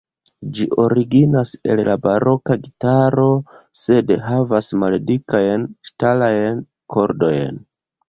Ĝi originas el la baroka gitaro, sed havas maldikajn ŝtalajn kordojn.